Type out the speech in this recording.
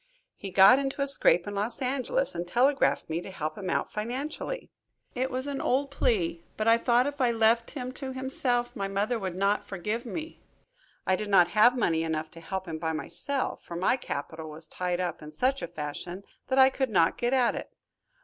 He got into a scrape in Los Angeles, and telegraphed me to help him out financially. It was an old plea, but I thought if I left him to himself my mother would not forgive me. I did not have money enough to help him by myself, for my capital was tied up in such a fashion that I could not get at it.